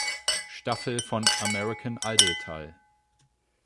Staffel von American Idol teil.